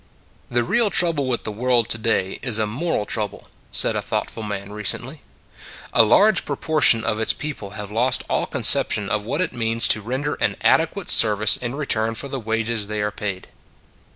" The real trouble with the world to day is a moral trouble," said a thoughtful man recently. " A large proportion of its people have lost all conception of what it means to render an adequate service in re turn for the wages they are paid."